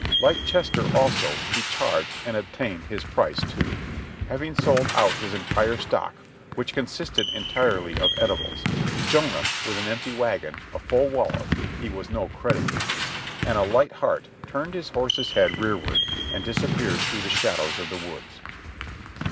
Like Chester, also, he charged, and obtained his price too ; having sold out his entire stock, which consisted en tirely of edibles, Jonah, with an empty wagon, a full wallet (his was no credit business) and a light heart turned his horse's head rear ward and disappeared through the shadows of the woods.